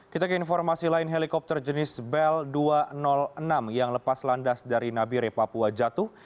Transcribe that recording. kita ke informasi lain helikopter jenis bel dua ratus enam yang lepas landas dari nabire papua jatuh